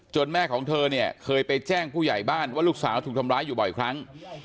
แม่ของเธอเนี่ยเคยไปแจ้งผู้ใหญ่บ้านว่าลูกสาวถูกทำร้ายอยู่บ่อยครั้ง